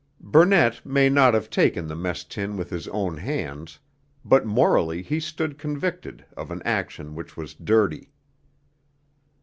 Burnett may not have taken the mess tin with his own hands, but morally he stood convicted of an action which was 'dirty.'